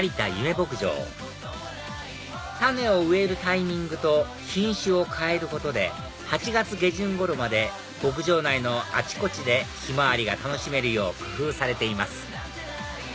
牧場種を植えるタイミングと品種を変えることで８月下旬ごろまで牧場内のあちこちでヒマワリが楽しめるよう工夫されています